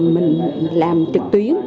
mình làm trực tuyến